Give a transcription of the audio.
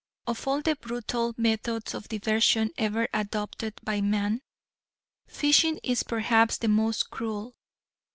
Of all the brutal methods of diversion ever adopted by man, fishing is perhaps the most cruel.